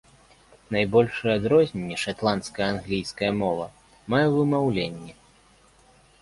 Найбольшыя адрозненні шатландская англійская мова мае ў вымаўленні.